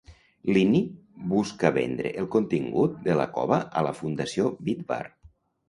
Lini busca vendre el contingut de la cova a la Fundació Wittwar.